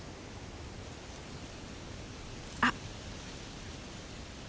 あっ！